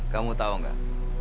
kamu tau gak